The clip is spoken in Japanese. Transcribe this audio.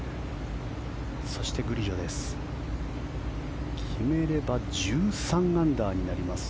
そして、グリジョです。